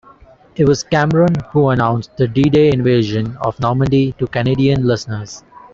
It was Cameron who announced the D-Day invasion of Normandy to Canadian listeners.